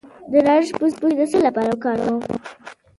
د نارنج پوستکی د څه لپاره وکاروم؟